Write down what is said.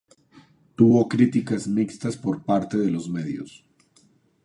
Tuvo críticas mixtas por parte de los medios.